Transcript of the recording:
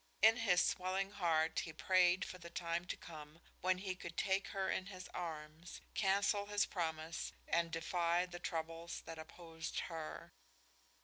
In his swelling heart he prayed for the time to come when he could take her in his arms, cancel his promise and defy the troubles that opposed her.